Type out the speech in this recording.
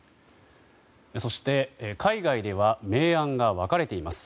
そして、海外では明暗が分かれています。